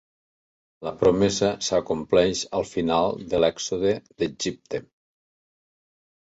La promesa s'acompleix al final de l'Èxode d'Egipte.